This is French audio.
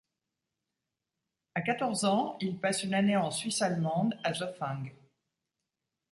À quatorze ans, il passe une année en Suisse allemande, à Zofingue.